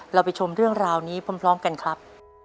เราไปชมเรื่องราวนี้พร้อมกันครับ